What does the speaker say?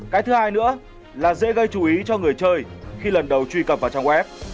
cái thứ hai nữa là dễ gây chú ý cho người chơi khi lần đầu truy cập vào trang web